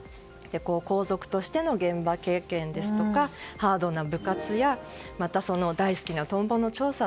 皇族としての現場経験ですとかハードな部活やまた大好きなトンボの調査。